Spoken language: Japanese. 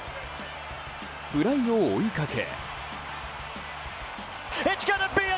フライを追いかけ。